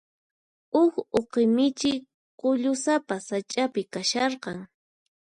Huk uqi michi k'ullusapa sach'api kasharqan.